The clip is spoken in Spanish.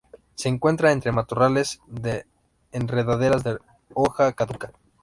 Se encuentra entre matorrales de enredaderas de hoja caduca.